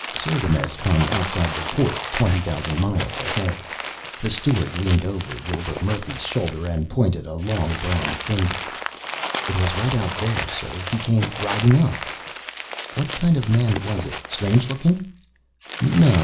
Cirgamesç hung outside the port, twenty thousand miles ahead. The steward leaned over Wilbur Murphy's shoulder and pointed a long brown finger. "It was right out there, sir. He came riding up " "What kind of a man was it? Strange looking?" "No.